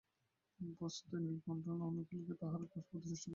বস্তুতই নীলকণ্ঠকে অনুকূল রাখিবার জন্য তাহার সর্বদাই চেষ্টা।